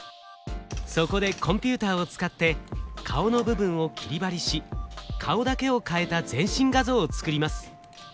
そこでコンピューターを使って顔の部分を切り貼りし顔だけを替えた全身画像を作ります。